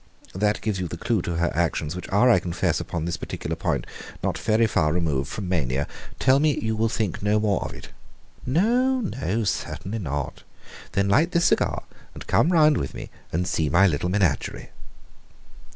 That gives you the clue to her actions, which are, I confess, upon this particular point, not very far removed from mania. Tell me that you will think no more of it." "No, no; certainly not." "Then light this cigar and come round with me and see my little menagerie."